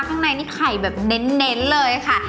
ข้างในนี่ไข่แบบเน้นเลยค่ะ